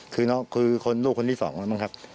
คือลูกที่สองมั้งค่ะ